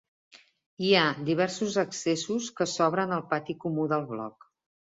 Hi ha diversos accessos que s'obren al pati comú del bloc.